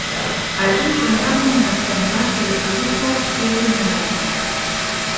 Allí contrajo una enfermedad que le produjo fiebre muy alta.